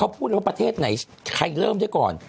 พูดเลยว่าประเทศไหนใครเริ่มได้ก่อน